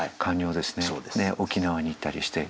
で沖縄に行ったりして。